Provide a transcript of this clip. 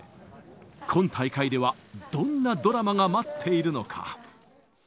今大会ではどんなドラマが待っているのか。